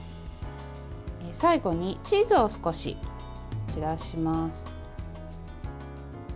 最後にチーズを少し散らします。